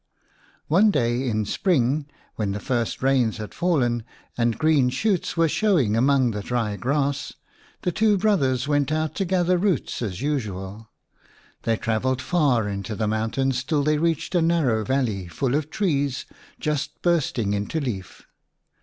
One day in Spring, when the first rains had fallen and green shoots were showing among the dry grass, the two brothers went out to gather roots as usual. They travelled far into the mountains till they reached a narrow valley full of trees just bursting into leaf.